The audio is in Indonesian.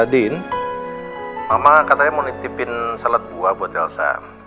din mama katanya mau nitipin salad buah buat elsa